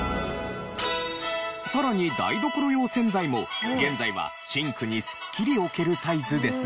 さらに台所用洗剤も現在はシンクにすっきり置けるサイズですが。